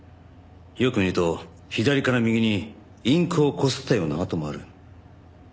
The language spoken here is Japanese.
よく見ると左から右にインクをこすったような跡もある。